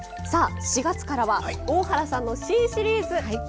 さあ４月からは大原さんの新シリーズ！